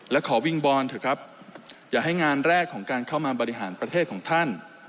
และขอวิงบอลเถอะครับอย่าให้งานแรกของการเข้ามาบริหารประเทศของท่าน